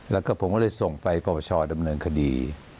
แล้วก็ผมก็เลยส่งไปปรปชดำเนินคดี